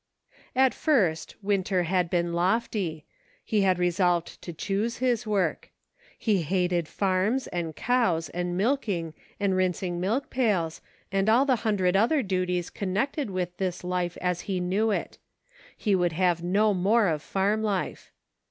PRACTICING. 37 At first, Winter had been lofty ; he had resolved to choose his work ; he hated farms, and cows, and milking, and rinsing milk pails, and all the hun dred other duties connected with this life, as he knew it ; he would have no more of farm life.